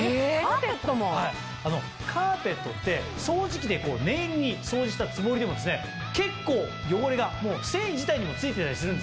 カーペットって掃除機で念入りに掃除したつもりでも結構汚れが繊維自体にも付いてたりするんですよね。